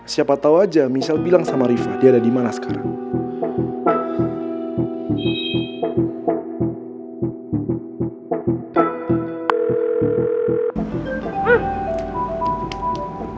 siapa tau aja misal bilang sama rifqi dia ada dimana sekarang